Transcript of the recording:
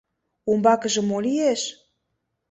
Умбакыже мо лиеш?